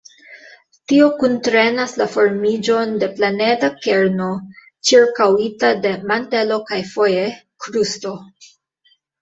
Tio kuntrenas la formiĝon de planeda kerno ĉirkaŭita de mantelo kaj, foje, krusto.